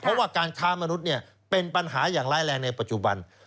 เพราะว่าการค้ามนุษย์เป็นปัญหาอย่างร้ายแรงในปัจจุบัน